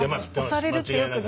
押されるってよくね。